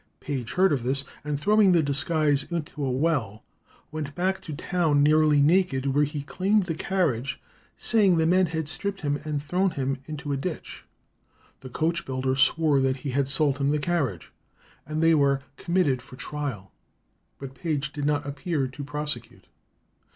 Page heard of this, and throwing the disguise into a well, went back to town nearly naked, where he claimed the carriage, saying the men had stripped him and thrown him into a ditch. The coach builder swore that he had sold him the carriage, and they were committed for trial, but Page did not appear to prosecute.